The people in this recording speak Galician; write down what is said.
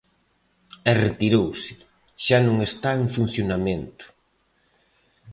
E retirouse, xa non está en funcionamento.